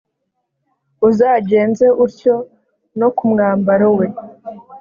uzagenze utyo no ku mwambaro we,